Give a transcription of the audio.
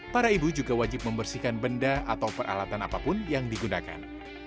para ibu juga wajib membersihkan benda atau peralatan apapun yang digunakan